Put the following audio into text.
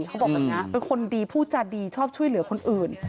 เขาบอกแบบนี้เป็นคนดีพูดจาดีชอบช่วยเหลือคนอื่น